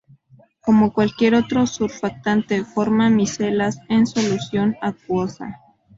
Como cualquier otro surfactante forma micelas en solución acuosa.